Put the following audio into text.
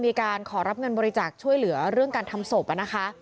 มีการขอรับเงินบริจาคช่วยเหลือเรื่องการทำศพนะคะ